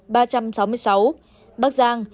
bắc giang ba trăm tám mươi bốn tám trăm năm mươi sáu